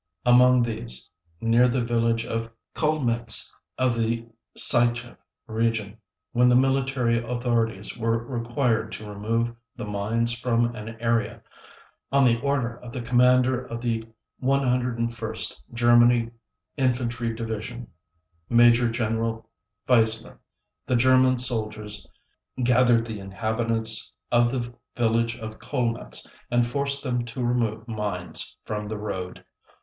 Among these, near the village of Kholmetz of the Sychev region, when the military authorities were required to remove the mines from an area, on the order of the Commander of the 101st German Infantry Division, Major General Fisler, the German soldiers gathered the inhabitants of the village of Kholmetz and forced them to remove mines from the road.